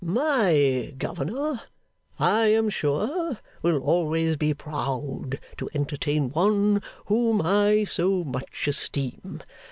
My Governor, I am sure, will always be proud to entertain one whom I so much esteem.